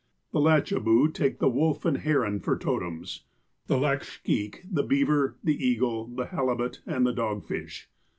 — The Lacheboo take the wolf and the heron for totems. — The Lackshkeak the beaver, the eagle, the halibut, and the dogfish.